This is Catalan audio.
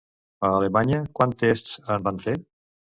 A Alemanya quants tests en van fer?